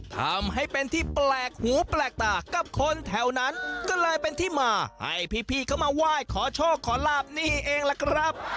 ทำให้เป็นที่แปลกหูแปลกตากับคนแถวนั้นก็เลยเป็นที่มาให้พี่เขามาไหว้ขอโชคขอลาบนี่เองล่ะครับ